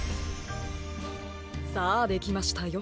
さあできましたよ。